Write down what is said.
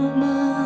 saya akan berhenti